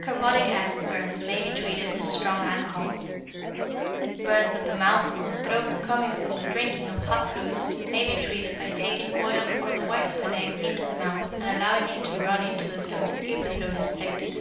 Carbolic acid burns may be treated with strong alcohol. Burns of the mouth or throat coming from the drinking of hot fluids, may be treated by taking oil or the white of an egg into the mouth and allowing it to run into the throat if the throat is affected.